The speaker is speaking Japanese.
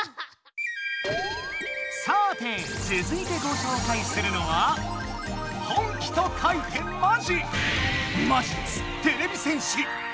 さてつづいてごしょうかいするのは「本気」と書いて「まじ」！